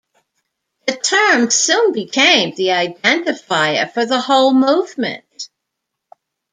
The term soon became the identifier for the whole movement.